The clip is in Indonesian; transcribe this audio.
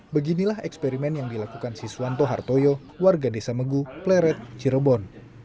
beginilah eksperimen yang dilakukan siswanto hartoyo warga desa megu pleret cirebon